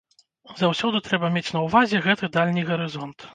Заўсёды трэба мець на ўвазе гэты дальні гарызонт.